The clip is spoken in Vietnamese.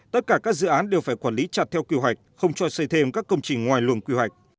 tất cả các dự án đều phải quản lý chặt theo quy hoạch không cho xây thêm các công trình ngoài luồng quy hoạch